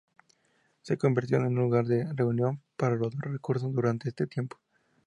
Se convirtió en un lugar de reunión para los de recursos durante este tiempo.